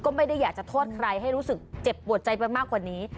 ก็ไม่ได้อยากจะโทษใครให้รู้สึกเจ็บปวดใจไปมากกว่านี้